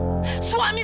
suami saya sudah mati